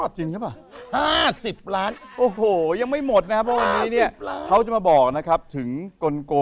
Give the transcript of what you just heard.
สุดล้อนสุดแปลก